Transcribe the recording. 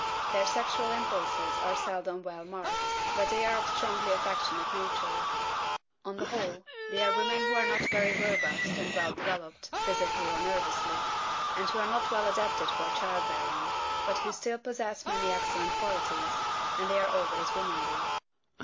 Their sexual impulses are seldom well marked, but they are of strongly affectionate nature. On the whole, they are women who are not very robust and well developed, physically or nervously, and who are not well adapted for child bearing, but who still possess many excellent qualities, and they are always womanly.